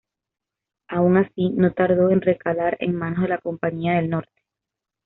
Aun así, no tardó en recalar en manos de la Compañía del Norte.